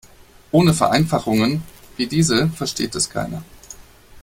Ohne Vereinfachungen wie diese versteht es keiner.